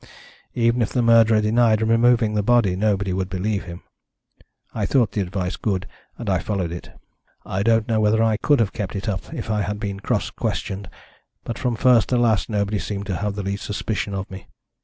Even if the murderer denied removing the body nobody would believe him. I thought the advice good, and I followed it. I don't know whether I could have kept it up if I had been cross questioned, but from first to last nobody seemed to have the least suspicion of me.